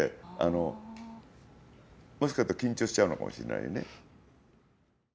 もしかすると緊張しちゃうのかもしれないね。